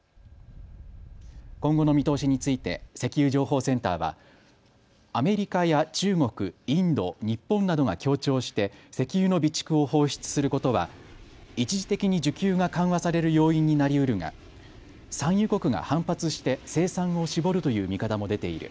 今後の見通しについて石油情報センターはアメリカや中国、インド、日本などが協調して石油の備蓄を放出することは一時的に需給が緩和される要因になりうるが産油国が反発して生産を絞るという見方も出ている。